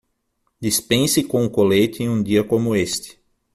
Dispense com um colete em um dia como este.